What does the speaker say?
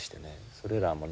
それらもね